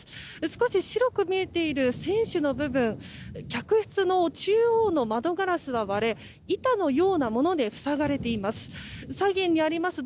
少し白く見えている船首の部分客室の中央の窓ガラスは割れ板のようなもので塞がれています。